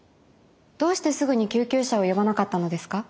どうしてすぐに救急車を呼ばなかったのですか？